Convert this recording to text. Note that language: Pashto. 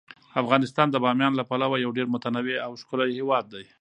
افغانستان د بامیان له پلوه یو ډیر متنوع او ښکلی هیواد دی.